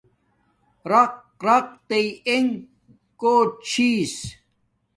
رَق رق تئ انݣ کوٹ چھس